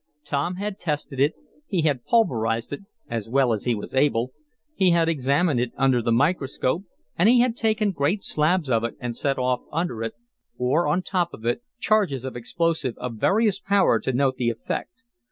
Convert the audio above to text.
Tom had tested it, he had pulverized it (as well as he was able), he had examined it under the microscope, and he had taken great slabs of it and set off under it, or on top of it, charges of explosive of various power to note the effect.